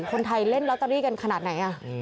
คนไทยเล่นลอตเตอรี่กันขนาดไหน